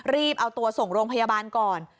รีบเอาตัวส่งโรงพยาบาลก่อน